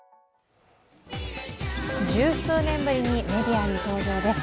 十数年ぶりにメディアに登場です。